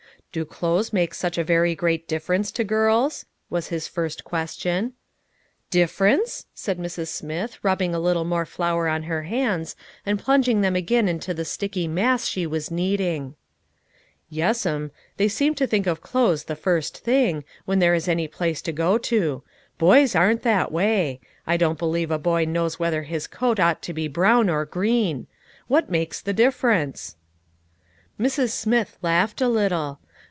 "Do clothes make such a very great differ ence to girls?" was his first question. 294 LITTLE FISHEKS: AND THEIR NETS. "Difference?" said Mrs. Smith rubbing a lit tle more flour on her hands, and plunging them again into the sticky mass she was kneading. " Yes'm. They seem to think of clothes the first thing, when there is any place to go to ; boys aren't that way. I don't believe a boy knows whether his coat ought to be brown or green. What makes the difference ?" Mrs. Smith laughed a little.